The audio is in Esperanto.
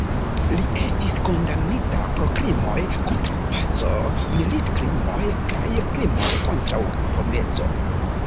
Li estis kondamnita pro krimoj kontraŭ paco, militkrimoj kaj krimoj kontraŭ homeco.